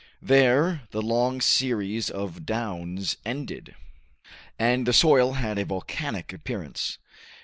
There, the long series of downs ended, and the soil had a volcanic appearance.